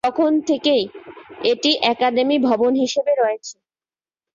তখন থেকেই এটি আকাদেমি ভবন হিসাবে রয়েছে।